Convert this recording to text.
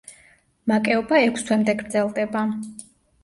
მაკეობა ექვს თვემდე გრძელდება.